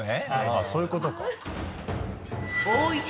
あっそういうことか。